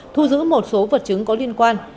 thu giữ một số vật chứng có liên quan